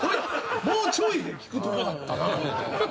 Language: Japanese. もうちょいで聞くとこだったな。